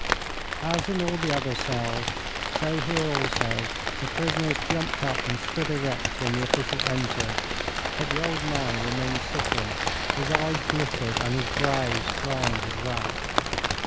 As in all the other cells, so here also the prisoners jumped up and stood erect when the official entered, but the old man remained sitting. His eyes glittered and his brows frowned with wrath.